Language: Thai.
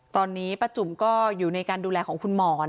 ตอนนี้ป้าจุ่มก็อยู่ในการดูแลของคุณหมอน